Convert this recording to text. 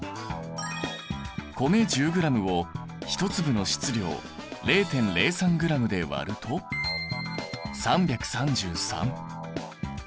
米１０ｇを１粒の質量０．０３ｇで割ると３３３。